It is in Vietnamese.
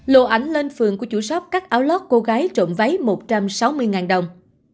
lộ ảnh lên phường của chủ shop cắt áo lót cô gái trộm váy một trăm sáu mươi đồng